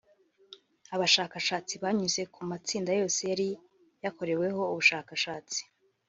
Abashakashatsi banyuze ku matsinda yose yari yakoreweho ubushakashatsi